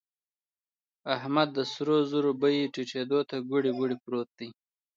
احمد د سرو زرو بيې ټيټېدو ته کوړۍ کوړۍ پروت دی.